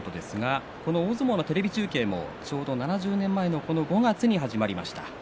大相撲のテレビ中継も７０年前の、この５月に始まりました。